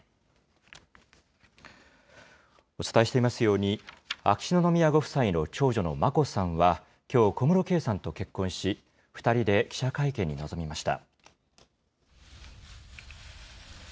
お伝えしていますように、秋篠宮ご夫妻の長女の眞子さんは、きょう、小室圭さんと結婚し、２人で記者会見に臨みました。